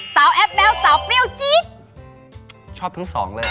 แอปแบ๊วสาวเปรี้ยวจี๊ดชอบทั้งสองเลย